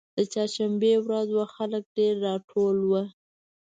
د چهارشنبې ورځ وه خلک ډېر راټول وو.